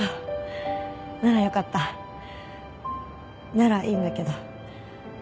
ならいいんだけど。